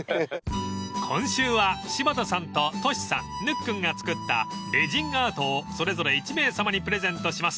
［今週は柴田さんとトシさんぬっくんが作ったレジンアートをそれぞれ１名様にプレゼントします］